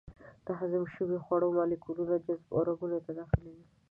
د هضم شوو خوړو مالیکولونه جذب او رګونو ته داخلېږي.